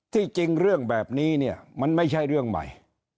จริงเรื่องแบบนี้เนี่ยมันไม่ใช่เรื่องใหม่